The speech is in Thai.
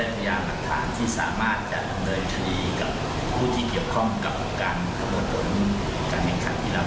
พยายามรวมรวมอย่างระทานอย่าง